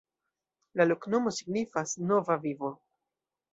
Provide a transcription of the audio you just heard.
La loknomo signifas: Nova Vivo.